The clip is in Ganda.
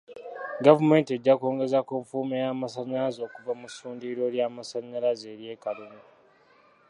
Gvaumenti ejja kwongeza ku nfulumya y'amasanyalaze okuva ku ssundiro ly'amasanyalaze ery'eKaruma.